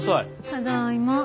ただいま。